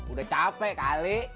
udah capek kali